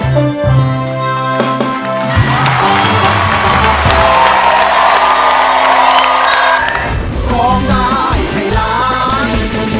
พร้อมได้ไหมล้าน